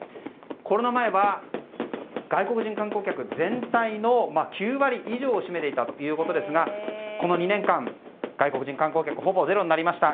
コロナ前は、外国人観光客が全体の９割以上を占めていたということですがこの２年間、外国人観光客はほぼゼロになりました。